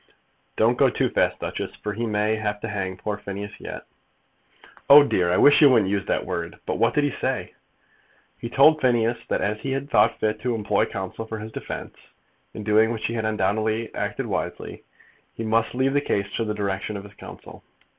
"Don't go too fast, Duchess, for he may have to hang poor Phineas yet." "Oh dear; I wish you wouldn't use that word. But what did he say?" "He told Finn that as he had thought fit to employ counsel for his defence, in doing which he had undoubtedly acted wisely, he must leave the case to the discretion of his counsel."